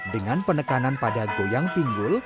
dengan penekanan pada goyang pinggul